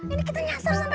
ini kita nyasar sampe